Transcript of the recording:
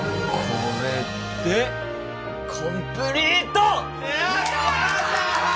これでコンプリート！